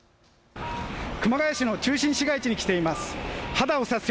熊谷市の中心市街地に来ています。